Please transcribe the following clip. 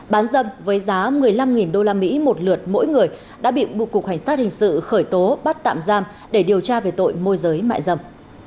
bán dâm với giá một mươi năm usd một lượt mỗi người đã bị buộc cục hành sát hình sự khởi tố bắt tạm giam để điều tra về tội môi giới mại dâm